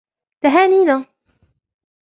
تهانينا!